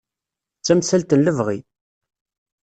D tamsalt n lebɣi.